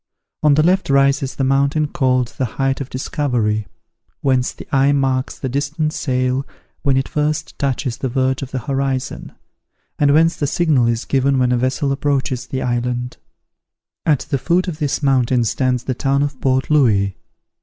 On the left rises the mountain called the Height of Discovery, whence the eye marks the distant sail when it first touches the verge of the horizon, and whence the signal is given when a vessel approaches the island. At the foot of this mountain stands the town of Port Louis.